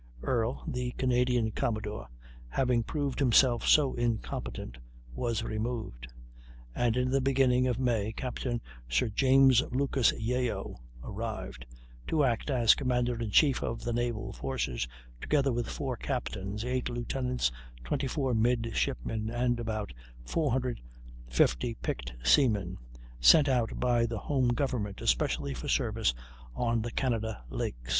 Earle, the Canadian commodore, having proved himself so incompetent, was removed; and in the beginning of May Captain Sir James Lucas Yeo arrived, to act as commander in chief of the naval forces, together with four captains, eight lieutenants, twenty four midshipmen, and about 450 picked seamen, sent out by the home government especially for service on the Canada lakes.